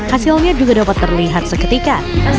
hasilnya juga dapat terlihat seketika